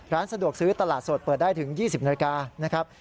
ร้านสะดวกซื้อตลาดสดเปิดได้ถึง๒๐นาฬิกานะครับ